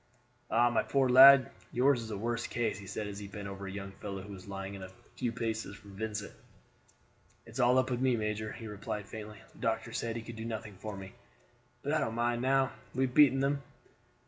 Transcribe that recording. "Ah, my poor lad, yours is a worse case," he said as he bent over a young fellow who was lying a few paces from Vincent. "It's all up with me, major," he replied faintly; "the doctor said he could do nothing for me. But I don't mind, now we have beaten them.